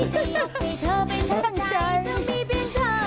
จะไม่ยอมแรงกับใคร